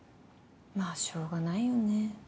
まあしょうがないよね。